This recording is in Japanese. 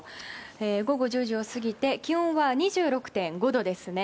午後１０時を過ぎて気温は２６．５度ですね。